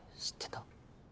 知ってた？